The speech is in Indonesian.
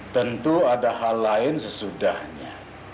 tentu ada hal lain sesudahnya